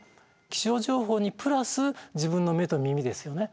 気象情報にプラス自分の目と耳ですよね。